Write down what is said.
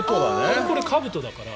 これ、かぶとだから。